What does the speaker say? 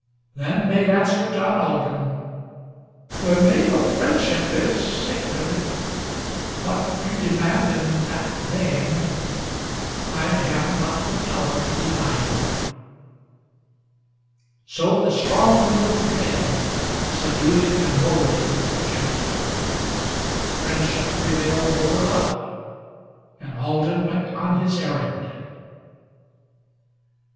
Then made answer John Alden: "The name of friendship is sacred; What you demand in that name, I have not the power to deny you!" So the strong will prevailed, subduing and moulding the gentler, Friendship prevailed over love, and Alden went on his errand.